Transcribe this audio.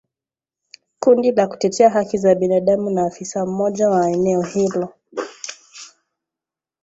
Kundi la kutetea haki za binadamu na afisa mmoja wa eneo hilo